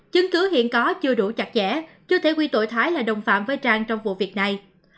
chứng cứ hiện có chưa đủ chặt chẽ chưa thể quy tội thái là đồng phạm với trang trong vụ việc này